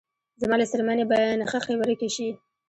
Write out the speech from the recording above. زما له څرمنې به نخښې ورکې شې